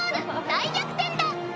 大逆転だ！